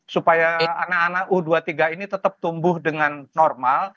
supaya anak anak u dua puluh tiga ini tetap tumbuh dengan normal